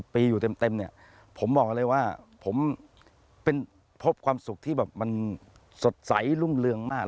ปีอยู่เต็มเนี่ยผมบอกเลยว่าผมเป็นพบความสุขที่แบบมันสดใสรุ่งเรืองมาก